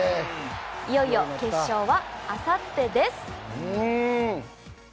いよいよ決戦はあさってです！